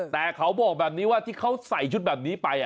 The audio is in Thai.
แต่เขาบอกแบบนี้ว่าที่เขาใส่ชุดแบบนี้ไป